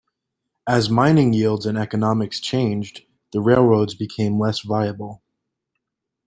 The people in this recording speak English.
As mining yields and economics changed, the railroads became less viable.